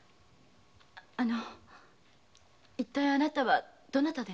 一体あなたはどなたですか？